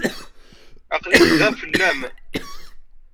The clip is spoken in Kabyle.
Aql-iyi da fell-am.